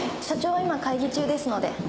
社長は今会議中ですので。